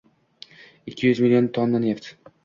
Ikki yuz million tonna neft